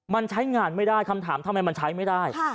มันใช้งานไม่ได้คำถามทำไมมันใช้ไม่ได้